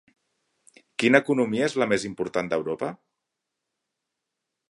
Quina economia és la més important d'Europa?